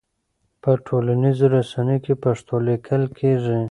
په ټولنيزو رسنيو کې پښتو ليکل کيږي.